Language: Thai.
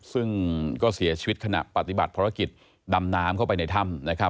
ซึ่งก็เสียชีวิตขณะปฏิบัติภารกิจดำน้ำเข้าไปในถ้ำ